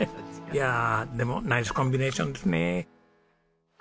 いやでもナイスコンビネーションですね。